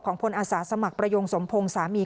พลอาสาสมัครประยงสมพงศ์สามี